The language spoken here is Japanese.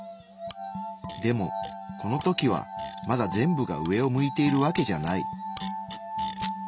でもこの時はまだ全部が上を向いているわけじゃない。